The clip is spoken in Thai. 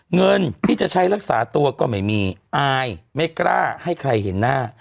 เงินที่จะใช้รักษาตัวก็ไม่มีอายไม่กล้าให้ใครเห็นหน้า